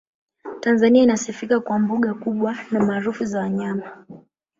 tanzania inasifika kwa mbuga kubwa na maarufu za wanyama